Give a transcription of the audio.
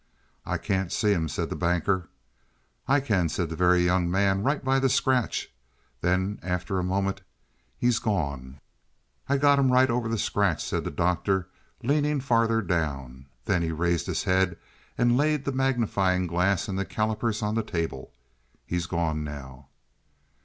"I can't see him," said the Banker. "I can," said the Very Young Man, "right by the scratch." Then after a moment, "he's gone." "I've got him right over the scratch," said the Doctor, leaning farther down. Then he raised his head and laid the magnifying glass and the callipers on the table. "He's gone now."